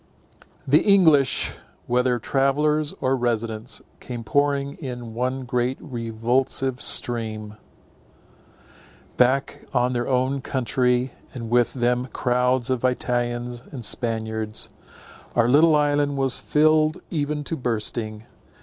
The English, whether travellers or residents, came pouring in one great revulsive stream, back on their own country; and with them crowds of Italians and Spaniards. Our little island was filled even to bursting.